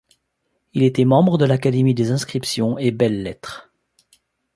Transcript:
Il était membre de l'Académie des inscriptions et belles-lettres.